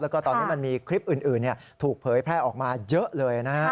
แล้วก็ตอนนี้มันมีคลิปอื่นถูกเผยแพร่ออกมาเยอะเลยนะฮะ